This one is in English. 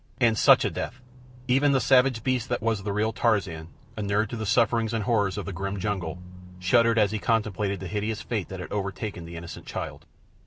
And such a death! Even the savage beast that was the real Tarzan, inured to the sufferings and horrors of the grim jungle, shuddered as he contemplated the hideous fate that had overtaken the innocent child.